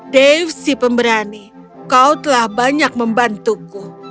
dave si pemberani kau telah banyak membantuku